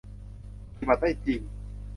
ปฏิบัติได้จริง